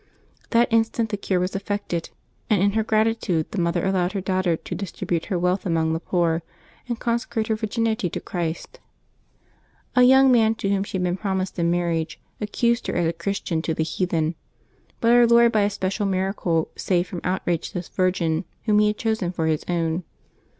That instant the cure was affected; and in her gratitude the mother allowed her daughter to distribute her wealth among the poor, and consecrate her virginity to Christ. A young man to whom she had been promised in marriage accused her as a Christian to the heathen ; but Our Lord, by a special miracle, saved from outrage this virgin whom He had chosen for His own.